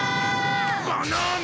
バナナ！